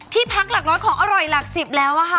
ที่พักหลักร้อยของอร่อยหลัก๑๐แล้วค่ะ